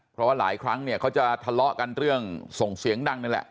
เพราะว่าหลายครั้งเนี่ยเขาจะทะเลาะกันเรื่องส่งเสียงดังนี่แหละ